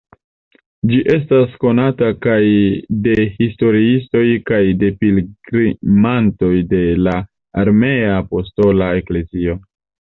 Ĝi estas konata kaj de historiistoj kaj de pilgrimantoj de la Armena Apostola Eklezio.